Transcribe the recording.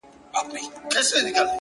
په زړه يې هر نقش سوی تور د قرآن وځي!